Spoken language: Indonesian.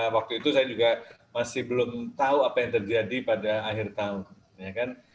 waktu itu saya juga masih belum tahu apa yang terjadi pada akhir tahun ya kan